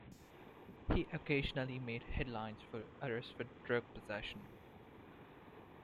He occasionally made headlines for arrests for drug possession.